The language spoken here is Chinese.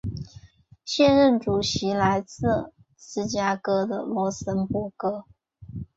现任主席为来自芝加哥的罗森博格。